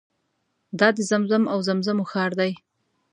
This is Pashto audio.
دا د زمزم او زمزمو ښار دی.